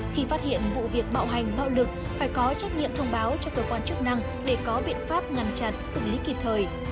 khi phát hiện vụ việc bạo hành bạo lực phải có trách nhiệm thông báo cho cơ quan chức năng để có biện pháp ngăn chặn xử lý kịp thời